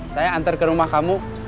saya antar ke rumah kamu